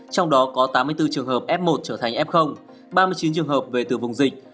trong đó có tám mươi bốn trường hợp f một trở thành f ba mươi chín trường hợp về từ vùng dịch